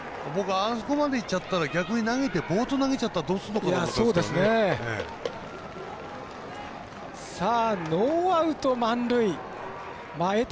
あそこまでいっちゃったら逆に暴投投げちゃったらどうするのかなって。